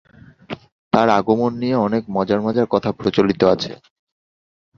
তার আগমন নিয়ে অনেক মজার মজার কথা প্রচলিত আছে।